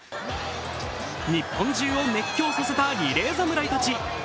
日本中を熱狂させたリレー侍たち。